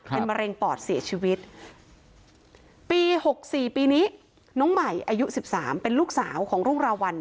เป็นมะเร็งปอดเสียชีวิตปี๖๔ปีนี้น้องใหม่อายุ๑๓เป็นลูกสาวของรุ่งราวัล